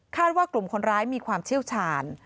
ว่ากลุ่มคนร้ายมีความเชี่ยวชาญ